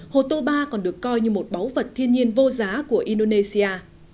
hồ toba còn được coi như một báu vật thiên nhiên vô giá của indonesia